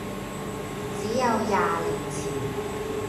只有廿年以前，